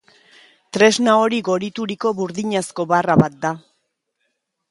Tresna hori gorituriko burdinazko barra bat da.